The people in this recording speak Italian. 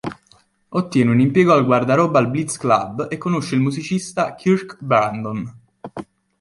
Ottiene un impiego al guardaroba al Blitz Club e conosce il musicista Kirk Brandon.